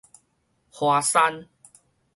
華山